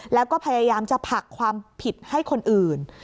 แล้วก็พยายามจะผลักความผิดให้คนอื่น